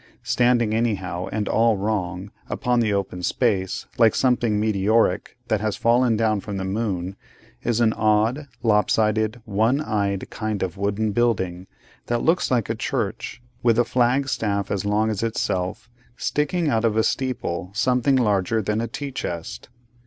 Standing anyhow and all wrong, upon this open space, like something meteoric that has fallen down from the moon, is an odd, lop sided, one eyed kind of wooden building, that looks like a church, with a flag staff as long as itself sticking out of a steeple something larger than a tea chest.